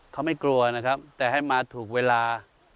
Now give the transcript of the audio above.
เขาไม่กลัวนะครับแต่ให้มาถูกเวลา